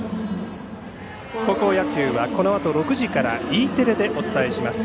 高校野球はこのあと６時からＥテレでお伝えします。